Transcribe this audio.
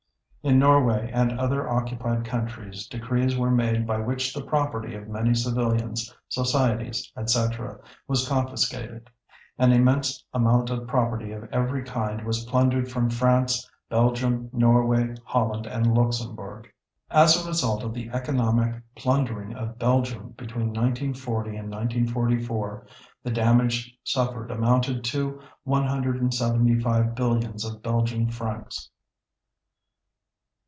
In Norway and other occupied countries decrees were made by which the property of many civilians, societies, etc., was confiscated. An immense amount of property of every kind was plundered from France, Belgium, Norway, Holland, and Luxembourg. As a result of the economic plundering of Belgium between 1940 and 1944 the damage suffered amounted to 175 billions of Belgian francs.